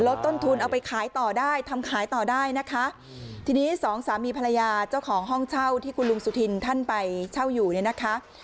ต้นทุนเอาไปขายต่อได้ทำขายต่อได้นะคะทีนี้สองสามีภรรยาเจ้าของห้องเช่าที่คุณลุงสุธินท่านไปเช่าอยู่เนี่ยนะคะ